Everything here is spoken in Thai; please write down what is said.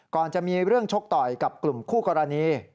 ก่อนจะมีเรื่องชกต่อยกับกลุ่มคู่กรณี